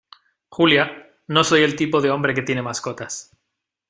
Julia, no soy el tipo de hombre que tiene mascotas.